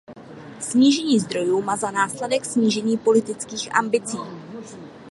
Snížení zdrojů má za následek snížení politických ambicí.